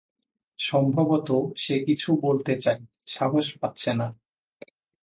সম্ভবত সে কিছু বলতে চায়, সাহস পাচ্ছে না।